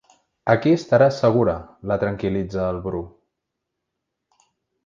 Aquí estaràs segura —la tranquil·litza el Bru.